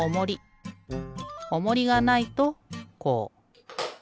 おもりがないとこう。